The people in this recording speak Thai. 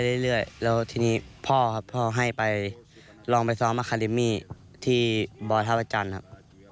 เรื่อยแล้วทีนี้พ่อครับพ่อให้ไปลองไปซ้อมอาคาเดมี่ที่บอยท่าพระจันทร์ครับ